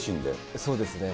そうですね。